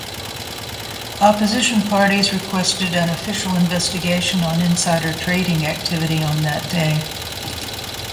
Opposition parties requested an official investigation on insider trading activity on that day.